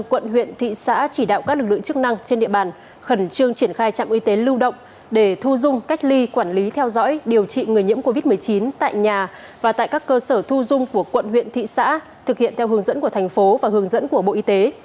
một mươi quận huyện thị xã chỉ đạo các lực lượng chức năng trên địa bàn khẩn trương triển khai trạm y tế lưu động để thu dung cách ly quản lý theo dõi điều trị người nhiễm covid một mươi chín tại nhà và tại các cơ sở thu dung của quận huyện thị xã thực hiện theo hướng dẫn của thành phố và hướng dẫn của bộ y tế